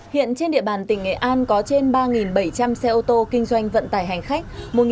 hiện trên địa bàn tỉnh nghệ an có trên ba bảy trăm linh xe ô tô kinh doanh vận tải hành khách